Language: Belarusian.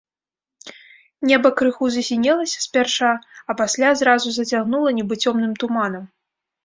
Неба крыху засінелася спярша, а пасля зразу зацягнула нібы цёмным туманам.